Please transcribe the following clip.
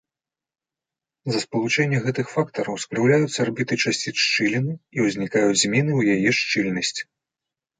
З-за спалучэння гэтых фактараў скрыўляюцца арбіты часціц шчыліны і ўзнікаюць змены ў яе шчыльнасці.